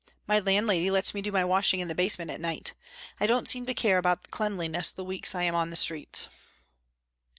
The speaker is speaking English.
My landlady lets me do my washing in the basement at night. I don't seem to care about cleanliness the weeks I am on the streets."